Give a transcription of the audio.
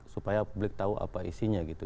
supaya publik tahu apa isinya gitu